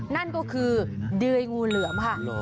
นั่นก็คือเดยงูเหลือมค่ะ